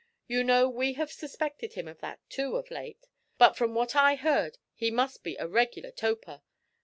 You know we have suspected him of that too, of late; but from what I heard he must be a regular toper.